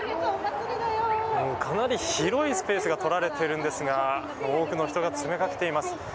かなり広いスペースが取られているんですが多くの人が詰めかけています。